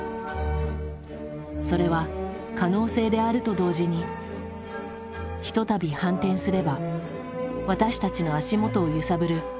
それは可能性であると同時にひとたび反転すれば私たちの足元を揺さぶる